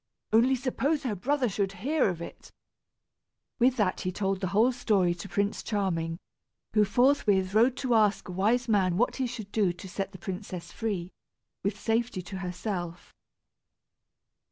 "Only suppose her brother should hear of it." With that he told the whole story to Prince Charming, who forthwith rode to ask a wise man what he should do to set the princess free, with safety to herself.